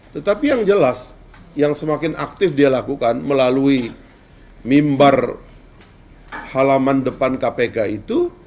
tetapi yang jelas yang semakin aktif dia lakukan melalui mimbar halaman depan kpk itu